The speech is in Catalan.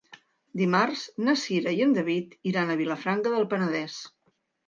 Dimarts na Cira i en David iran a Vilafranca del Penedès.